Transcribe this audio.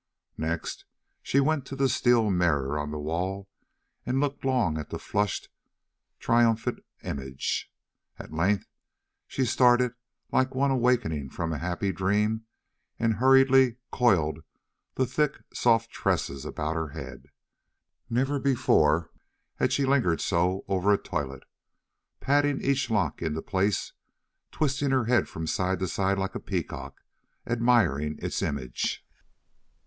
Next she went to the steel mirror on the wall and looked long at the flushed, triumphant image. At length she started, like one awakening from a happy dream, and hurriedly coiled the thick, soft tresses about her head. Never before had she lingered so over a toilet, patting each lock into place, twisting her head from side to side like a peacock admiring its image.